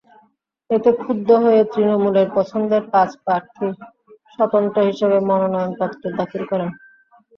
এতে ক্ষুব্ধ হয়ে তৃণমূলের পছন্দের পাঁচ প্রার্থী স্বতন্ত্র হিসেবে মনোনয়নপত্র দাখিল করেন।